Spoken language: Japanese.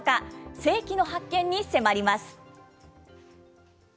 世紀の発見に迫ります。